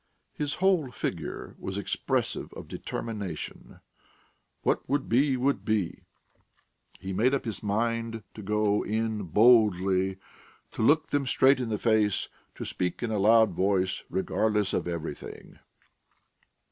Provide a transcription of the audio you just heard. His whole figure was expressive of determination: what would be, would be! He made up his mind to go in boldly, to look them straight in the face, to speak in a loud voice, regardless of everything.